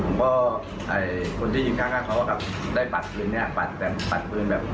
ผมก็ไอ้คนที่อยู่ข้างข้างเขาว่าครับได้ปัดฟื้นเนี้ยปัดแบบปัดฟื้นแบบ